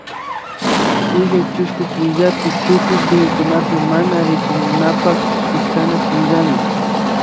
Kulla tiushku punllapika Tukuy suyukunapi mana rikunkunapak killkana punllami